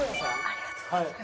ありがとうございます。